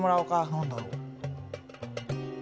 何だろう？